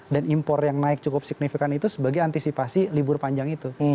dan impor yang naik cukup signifikan itu sebagai antisipasi libur panjang itu